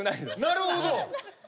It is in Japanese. なるほど。